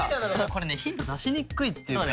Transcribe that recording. これヒント出しにくいっていうか。